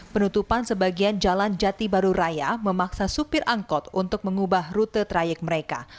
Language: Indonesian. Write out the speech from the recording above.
penutupan sebagian jalan jati baru raya memaksa supir angkot untuk mengubah rute trayek mereka